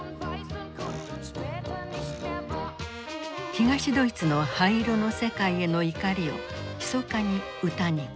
東ドイツの灰色の世界への怒りをひそかに歌に込めた。